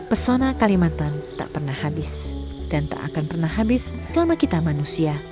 pesona kalimantan tak pernah habis dan tak akan pernah habis selama kita manusia